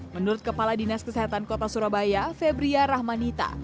menurut kepala dinas kesehatan kota surabaya febria rahmanita